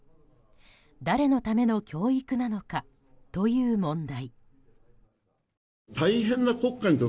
誰のための教育なのかという問題。